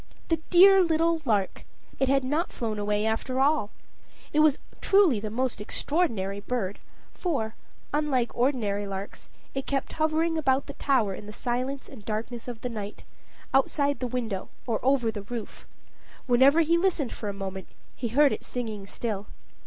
The dear little lark! it had not flown away, after all. And it was truly the most extraordinary bird, for, unlike ordinary larks, it kept hovering about the tower in the silence and darkness of the night, outside the window or over the roof. Whenever he listened for a moment, he heard it singing still.